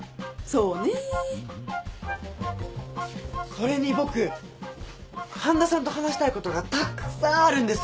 それに僕半田さんと話したいことがたくさんあるんです！